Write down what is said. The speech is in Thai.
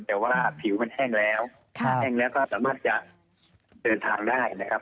แต่ว่าผิวมันแห้งแล้วแห้งแล้วก็สามารถจะเดินทางได้นะครับ